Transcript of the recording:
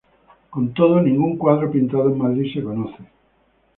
Con todo, ningún cuadro pintado en Madrid se conoce.